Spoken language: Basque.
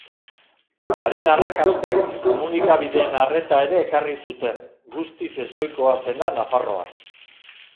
Haren arrakastek komunikabideen arreta ere ekarri zuten, guztiz ezohikoa zena Nafarroan.